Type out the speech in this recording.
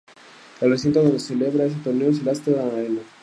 El recinto donde se celebra este torneo es el Amsterdam Arena.